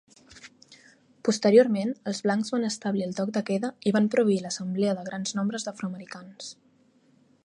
Posteriorment, els blancs van establir el toc de queda i van prohibir l'assemblea de grans nombres d'afroamericans.